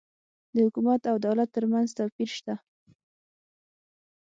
د حکومت او دولت ترمنځ توپیر سته